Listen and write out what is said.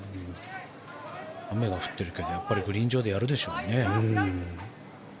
雨が降ってるけどやっぱりグリーン上でやるでしょうね。